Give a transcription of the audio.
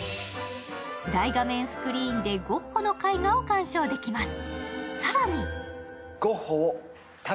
大画面スクリーンでゴッホの絵画を鑑賞できます。